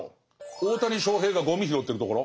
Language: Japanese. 大谷翔平がゴミ拾ってるところ？